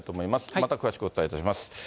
また詳しくお伝えいたします。